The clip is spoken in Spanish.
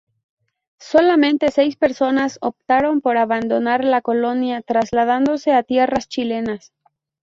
Solamente seis personas optaron por abandonar la colonia, trasladándose a tierras chilenas.